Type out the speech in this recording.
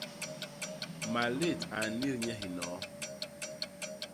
Malét a nnit nye hinoo.